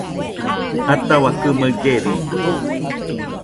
Ataua kɨmaɨ llerɨde